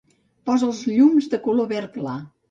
Posa els llums de color verd clar.